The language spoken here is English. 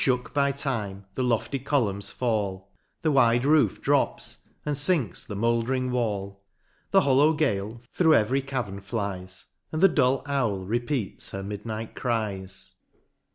29 But fKook by time, the lofty columns fall, The wide roof drtps, and finks the mouldering wall ; The hollow gale thro' every cavern flies. And the dull owl repeats her midnight cries.